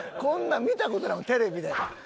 こんなん見た事ないテレビで。